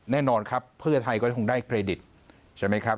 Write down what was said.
แน่นอนครับเพื่อไทยก็คงได้เครดิตใช่ไหมครับ